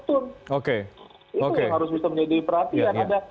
itu yang harus bisa menjadi perhatian